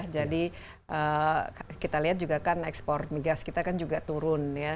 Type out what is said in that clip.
jadi kita lihat juga kan ekspor migas kita kan juga turun ya